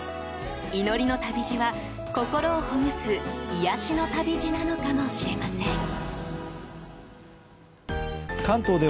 祈りの旅路は、心をほぐす癒やしの旅路なのかもしれません。